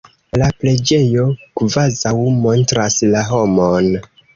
La preĝejo kvazaŭ montras la homon.